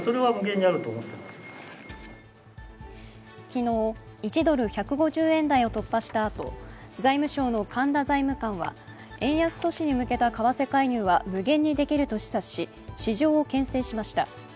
昨日、１ドル＝１５０円台を突破したあと、財務省の神田財務官は円安阻止に向けた為替介入は無限にできると示唆し、市場をけん制しました。